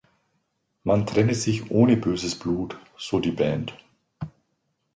Man trenne sich ohne böses Blut, so die Band.